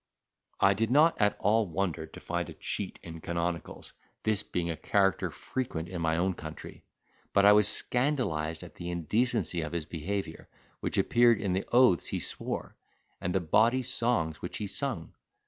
I did not at all wonder to find a cheat in canonicals, this being a character frequent in my own country; but I was scandalised at the indecency of his behaviour, which appeared in the oaths he swore, and the bawdy songs which he sung.